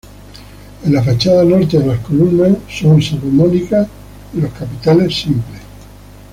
En la fachada norte las columnas son salomónicas y los capiteles simples.